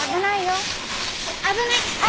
危ないよ。